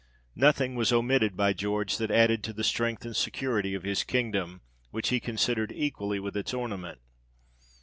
Nothing was omitted by George that added to the strength and security of his kingdom, which he con sidered equally with its ornament.